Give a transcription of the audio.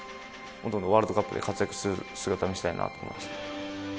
ワールドカップで活躍する姿を見せたいなと思います。